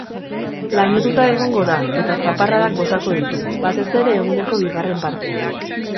Lainotuta egongo da eta zaparradak botako ditu, batez ere eguneko bigarren partean.